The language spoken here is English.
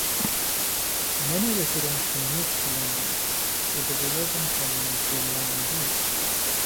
Many residents commute to London, with the relevant terminus being London Bridge.